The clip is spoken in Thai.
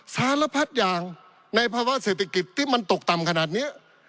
สารพัดอย่างในภาวะเศรษฐกิจที่มันตกต่ำขนาดนี้